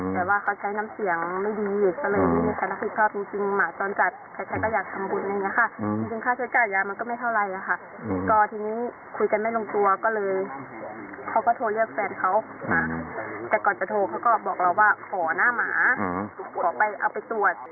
แต่ก่อนจะโทรเขาก็บอกเราว่าขอหน้าหมาขอไปเอาไปตรวจ